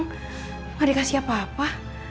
nggak dikasih apa apa